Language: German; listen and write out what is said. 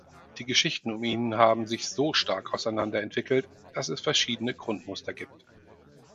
Die Geschichten um ihn haben sich so stark auseinanderentwickelt, dass es verschiedene Grundmuster gibt.